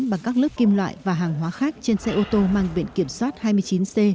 bằng các lớp kim loại và hàng hóa khác trên xe ô tô mang biện kiểm soát hai mươi chín c